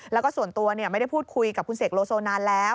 แล้วก็ส่วนตัวไม่ได้พูดคุยกับคุณเสกโลโซนานแล้ว